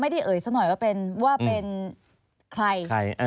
ไม่ได้เอ่ยสักหน่อยว่าเป็นใคร